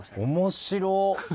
面白っ！